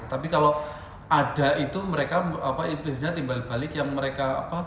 tapi kalau ada itu mereka timbal balik yang mereka